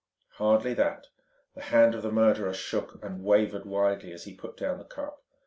Hardly that: the hand of the murderer shook and wavered widely as he put down the cup.